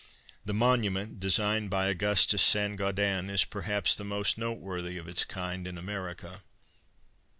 The monument, designed by Augustus Saint Gaudens, is perhaps the most noteworthy of its kind in America.